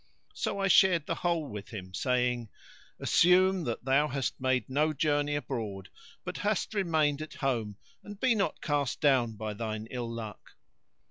So I shared the whole with him saying, "Assume that thou hast made no journey abroad but hast remained at home; and be not cast down by thine ill luck."